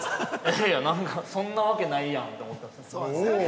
◆いやいや、なんかそんなわけないやんって思ってました。